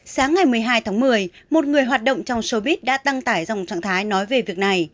sáng ngày một mươi hai tháng một mươi một người hoạt động trong sobit đã tăng tải dòng trạng thái nói về việc này